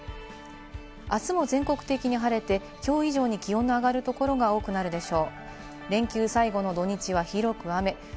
明日も全国的に晴れて今日以上に気温の上がる所が多くなるでしょ